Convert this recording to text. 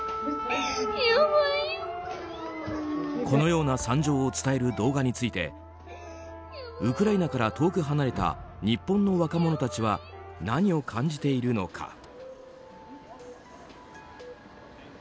このような惨状を伝える動画についてウクライナから遠く離れた日本の若者たちは何を感じているのか。